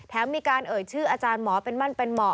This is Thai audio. มีการเอ่ยชื่ออาจารย์หมอเป็นมั่นเป็นเหมาะ